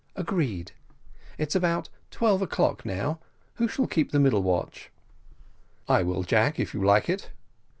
"Agreed it's about twelve o'clock now who shall keep the middle watch?" "I will, Jack, if you like it."